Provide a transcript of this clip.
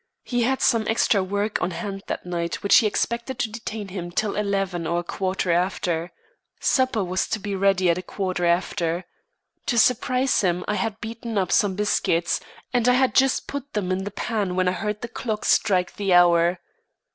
He had some extra work on hand that night which he expected to detain him till eleven or a quarter after. Supper was to be ready at a quarter after. To surprise him I had beaten up some biscuits, and I had just put them in the pan when I heard the clock strike the hour.